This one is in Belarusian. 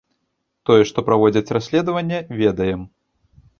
Тое, што праводзяць расследаванне, ведаем.